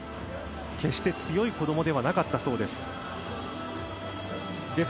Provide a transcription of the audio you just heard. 決して強い子供ではなかったそうです。